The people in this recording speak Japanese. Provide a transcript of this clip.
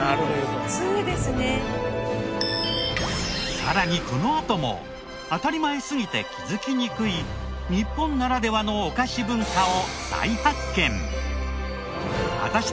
さらにこのあとも当たり前すぎて気づきにくい日本ならではのお菓子文化を再発見！